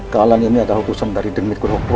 kalahannya ini adalah hukusan dari dengmit kurhukul